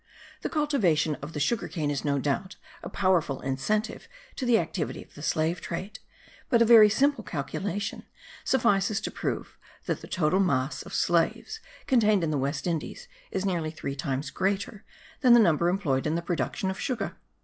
The cultivation of the sugar cane is no doubt a powerful incentive to the activity of the slave trade; but a very simple calculation suffices to prove that the total mass of slaves contained in the West Indies is nearly three times greater than the number employed in the production of sugar.